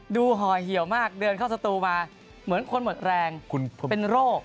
ห่อเหี่ยวมากเดินเข้าสตูมาเหมือนคนหมดแรงเป็นโรค